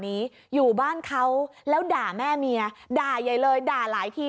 นี้อยู่บ้านเขาแล้วด่าแม่เมียด่าใหญ่เลยด่าหลายที